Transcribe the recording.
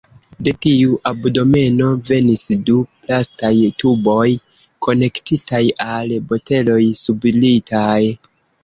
De tiu abdomeno venis du plastaj tuboj konektitaj al boteloj sublitaj.